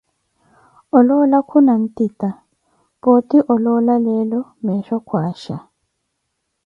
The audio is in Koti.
oloola khuna ntita, pooti oloola leelo meecho kwaasha.